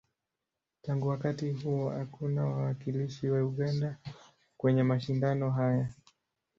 Tangu wakati huo, hakuna wawakilishi wa Uganda kwenye mashindano haya.